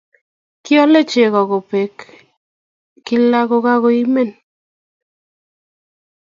Kiole chego kobek kila ko koimen.